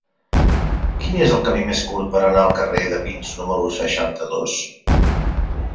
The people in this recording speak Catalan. Quin és el camí més curt per anar al carrer de Pins número seixanta-dos?